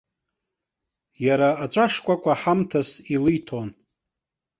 Иара аҵәа шкәакәа ҳамҭас илиҭон.